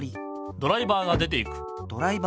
ドライバーが出ていく。